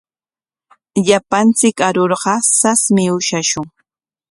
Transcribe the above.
Llapanchik arurqa sasmi ushashun.